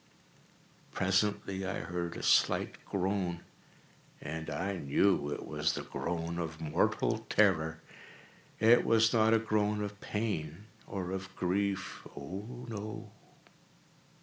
Presently I heard a slight groan, and I knew it was the groan of mortal terror. It was not a groan of pain or of grief—oh, no!